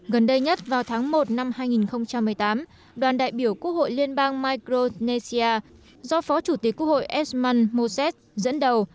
gần đây nhất vào tháng một năm hai nghìn một mươi tám đoàn đại biểu quốc hội liên bang micronesia do phó chủ tịch quốc hội esman mozet dẫn đầu